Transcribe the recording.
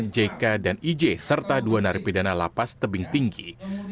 jk dan ij serta dua narapidana lapas tebing tinggi